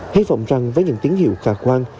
hy vọng rằng với những tiếng hiệu khả quan